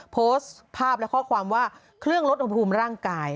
โพสต์ภาพและข้อความว่าเครื่องลดอุณหภูมิร่างกาย